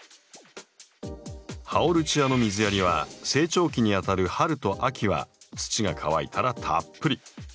ハオルチアの水やりは成長期にあたる春と秋は土が乾いたらたっぷり。